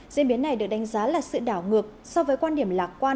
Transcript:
diễn biến này được đánh giá là sự đảo ngược so với quan điểm lạc quan